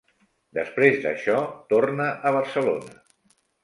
Després d'això, torna a Barcelona.